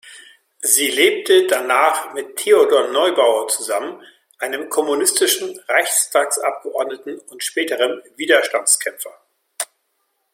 Sie lebte danach mit Theodor Neubauer zusammen, einem kommunistischen Reichstagsabgeordneten und späterem Widerstandskämpfer.